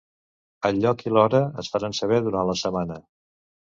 El lloc i l’hora es faran saber durant la setmana.